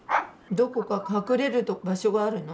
どこか隠れる場所があるの？